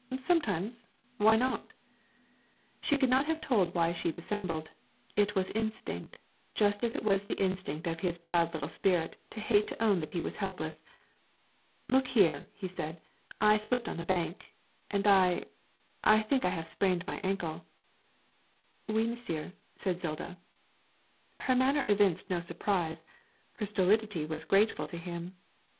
'Sometimes; why not?' She could not have told why she dissembled; it was instinct, just as it was the instinct of his proud little spirit to hate to own that he was helpless. 'Look here,' he said, 'I slipped on the bank and I I think I have sprained my ankle.' 'Oui, monsieur,' said Zilda. Her manner evinced no surprise; her stolidity was grateful to him.